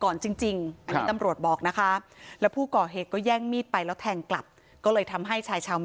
ก็นิดหนึ่งหนึ่งหนึ่งเขามอวเหมือนกันครับ